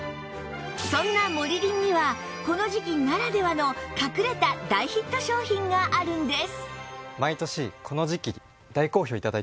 そんなモリリンにはこの時季ならではの隠れた大ヒット商品があるんです